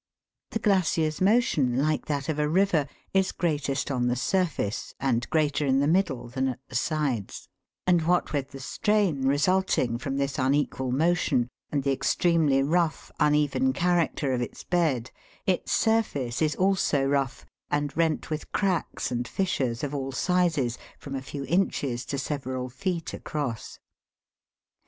The glacier's motion, like that of a river, is greatest on the surface, and greater in the middle than at the sides ; and what with the strain resulting from this unequal motion, and the extremely rough uneven character of its bed, its surface is also rough, and rent with cracks and fissures of all sizes, from a few inches to several feet across.